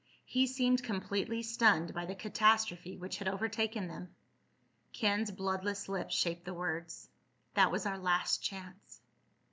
He seemed completely stunned by the catastrophe which had overtaken them. Ken's bloodless lips shaped the words. "That was our last chance."